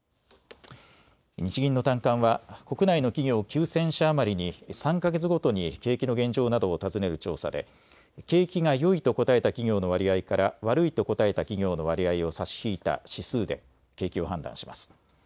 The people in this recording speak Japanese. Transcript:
日銀の短観は国内の企業９０００社余りに３か月ごとに景気の現状などを尋ねる調査で景気がよいと答えた企業の割合から悪いと答えた企業の割合を差し引いた指数で景気を判断します。